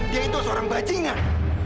dia itu seorang bajingan